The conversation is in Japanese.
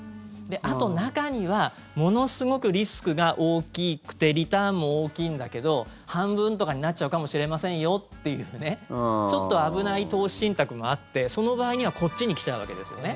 あと中にはものすごくリスクが大きくてリターンも大きいんだけど半分とかになっちゃうかもしれませんよっていうちょっと危ない投資信託もあってその場合にはこっちに来ちゃうわけですよね。